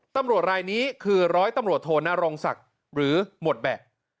ตำรวจรายนี้คือร้อยตำรวจโทนรงศักดิ์หรือหมวดแบะ